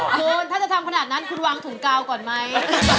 คุณถ้าจะทำขนาดนั้นคุณวางถุงกาวก่อนไหม